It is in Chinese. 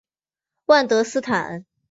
万德斯坦。